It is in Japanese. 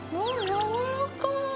あー、やわらかい。